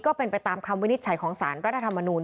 ก็เป็นไปตามคำวินิจฉัยของสารรัฐธรรมนูล